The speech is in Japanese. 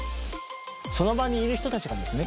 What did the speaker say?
その場にいる人たちがですね